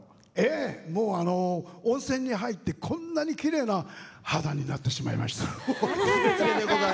温泉に入って、こんなにきれいな肌になってしまいました。